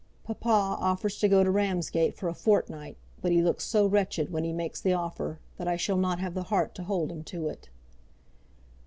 Papa offers to go to Ramsgate for a fortnight, but he looks so wretched when he makes the offer, that I shall not have the heart to hold him to it.